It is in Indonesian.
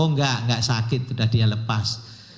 oh enggak enggak sakit sudah dia lepas